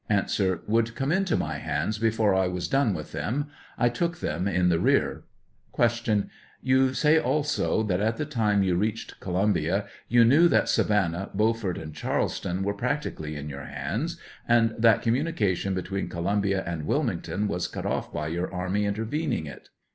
A, Would come into my hands before I was done with them ; I took them in the rear. ' Q. You say also that at the time you reached Co lumbia you knew that Savannah, Beaufort and Charles ton were practically in your hands^ and that communi cation between Columbia and Wilmington was cut ofif by your army intervening it